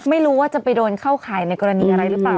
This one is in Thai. ไม่รู้ว่าจะไปโดนเข้าข่ายในกรณีอะไรหรือเปล่า